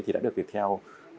thì đã được viettel